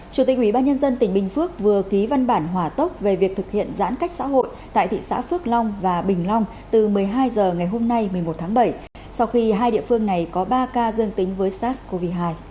chủ tịch ủy ban nhân dân tỉnh bình phước vừa ký văn bản hỏa tốc về việc thực hiện giãn cách xã hội tại thị xã phước long và bình long từ một mươi hai h ngày hôm nay một mươi một tháng bảy sau khi hai địa phương này có ba ca dương tính với sars cov hai